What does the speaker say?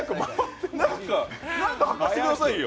何か履かしてくださいよ。